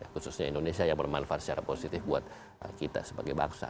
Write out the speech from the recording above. khususnya indonesia yang bermanfaat secara positif buat kita sebagai bangsa